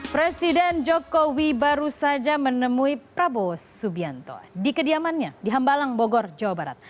presiden jokowi baru saja menemui prabowo subianto di kediamannya di hambalang bogor jawa barat